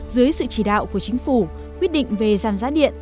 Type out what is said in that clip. dưới sự chỉ đạo của chính phủ quyết định về giảm giá điện